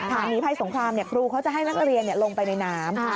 หนีภัยสงครามครูเขาจะให้นักเรียนลงไปในน้ำ